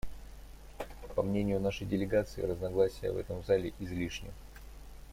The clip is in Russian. По мнению нашей делегации, разногласия в этом зале излишни.